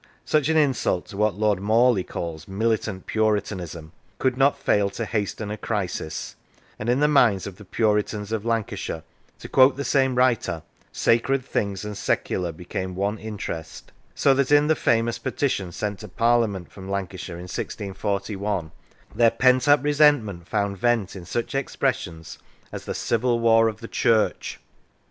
Such an insult to what Lord Morley calls " militant Puri tanism " could not fail to hasten a crisis, and in the minds of the Puritans of Lancashire, to quote the same writer, " sacred things and secular became one in terest," so that in the famous Petition sent to Parlia ment from Lancashire in 1641, their pent up resent ment found vent in such expressions as the " Civil War of the Church."